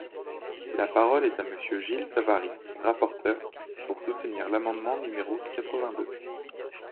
La parole est à Monsieur Gilles Savary, rapporteur, pour soutenir l’amendement numéro quatre-vingt-deux.